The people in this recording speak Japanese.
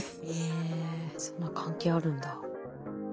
えそんな関係あるんだ。